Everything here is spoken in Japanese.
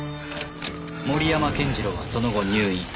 森山健次郎はその後入院。